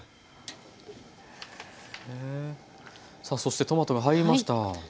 さあそしてトマトが入りました。